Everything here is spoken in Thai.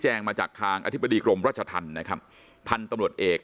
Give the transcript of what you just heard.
แฉฟมาจากทางอธิปดีกรมราชธรรมผันตำรวจเอก